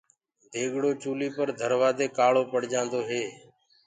ديگڙو چُولي پر ڌروآ دي ڪآݪو پڙجآندو هي۔